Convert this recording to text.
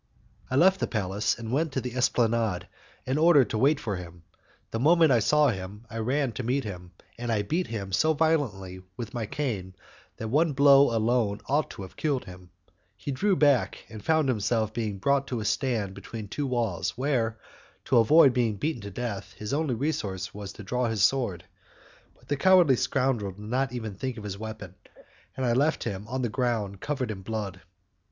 I left the palace and went to the esplanade in order to wait for him. The moment I saw him, I ran to meet him, and I beat him so violently with my cane that one blow alone ought to have killed him. He drew back, and found himself brought to a stand between two walls, where, to avoid being beaten to death, his only resource was to draw his sword, but the cowardly scoundrel did not even think of his weapon, and I left him, on the ground, covered with blood.